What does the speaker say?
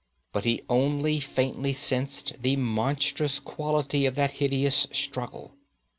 But he only faintly sensed the monstrous quality of that hideous struggle.